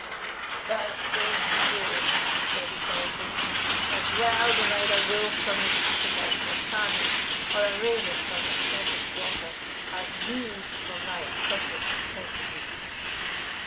"Thou say'st true," said the Solitary; "as well divide a wolf from his appetite for carnage, or a raven from her scent of slaughter, as thee from thy accursed propensities."